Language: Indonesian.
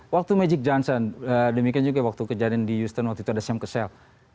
waktu magic johnson demikian juga waktu kejadian di houston waktu itu ada sham kesel